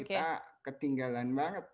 kita ketinggalan banget